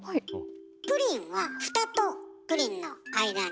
プリンはフタとプリンの間に。